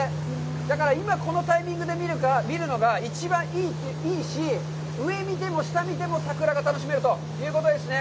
だから、今このタイミングで見るのが一番いいし、上を見ても下を見ても桜が楽しめるということですね。